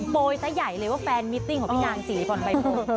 โปรยซะใหญ่เลยว่าแฟนมิตติ้งของพี่นางสิริพรใบโพ